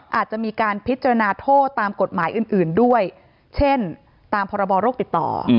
อาจจะมีการพิจารณาโทษตามกฎหมายอื่นด้วยเช่นตามพรบโรคติดต่อ